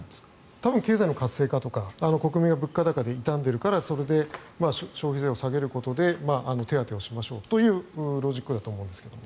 多分、経済の活性化とか国民が物価高で痛んでいるからそれで消費税を下げることで手当をしましょうというロジックだと思うんですが。